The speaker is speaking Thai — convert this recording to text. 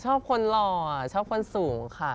ชอบคนหล่อชอบคนสูงค่ะ